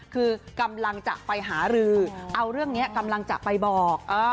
คือกำลังจะไปหารือเอาเรื่องนี้กำลังจะไปบอก